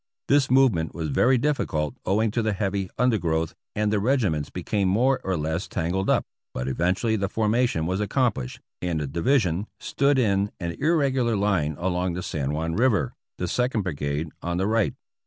This movement was very difficult owing to the heavy undergrowth, and the regiments became more or less tangled up, but eventually the formation was accomplished, and the Division stood in an irregular line along the San Juan River, the Second Brigade on the right.